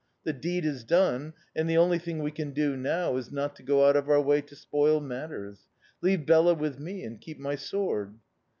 The deed is done, and the only thing we can do now is not to go out of our way to spoil matters. Leave Bela with me and keep my sword!